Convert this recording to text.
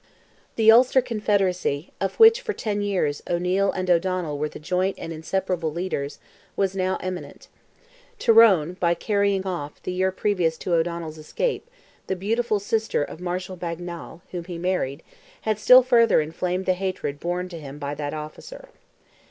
The Ulster Confederacy, of which, for ten years, O'Neil and O'Donnell were the joint and inseparable leaders, was now imminent. Tyrone, by carrying off, the year previous to O'Donnell's escape, the beautiful sister of Marshal Bagnal, whom he married, had still further inflamed the hatred borne to him by that officer.